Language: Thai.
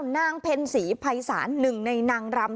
นางเพ็ญศรีไพรศาลหนึ่งในนางรำ